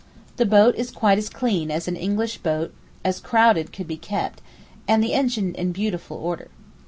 The boat is quite as clean as an English boat as crowded could be kept, and the engine in beautiful order.